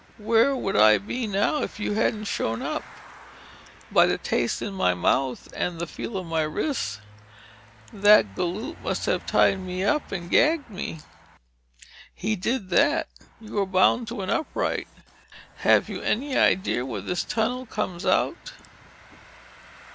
"Where would I be now, if you hadn't shown up? By the taste in my mouth and the feel of my wrists, that galoot must have tied me up and gagged me!" "He did that. You were bound to an upright. Have you any idea where this tunnel comes out?"